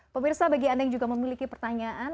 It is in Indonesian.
pemirsa bagi anda yang juga memiliki pertanyaan